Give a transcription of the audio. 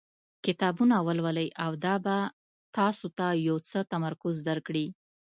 کتابونه ولولئ او دا به تاسو ته یو څه تمرکز درکړي.